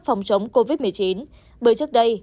phòng chống covid một mươi chín bởi trước đây